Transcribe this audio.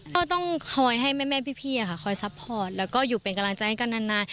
ก็ต้องคอยให้แม่พี่คอยซัพพอร์ตแล้วก็อยู่เป็นกำลังใจให้กันนาน